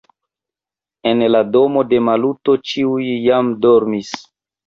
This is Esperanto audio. En la domo de Maluto ĉiuj jam dormis.